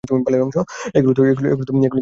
এগুলো তো বাসি ফুল, রাখবে নিজের কাছে?